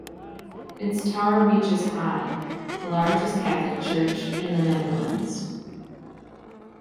Its tower reaches high; the largest Catholic church in the Netherlands.